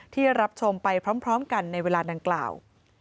ที่รับชมไปพร้อมกันในเวลาดังกล่าว